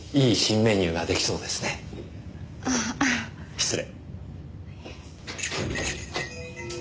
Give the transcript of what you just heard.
失礼。